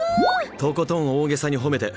とことん大げさに褒めて！